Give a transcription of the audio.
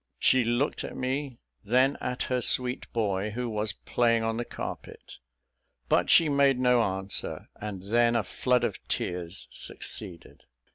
She looked at me, then at her sweet boy, who was playing on the carpet but she made no answer; and then a flood of tears succeeded.